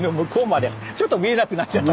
ちょっと見えなくなっちゃった。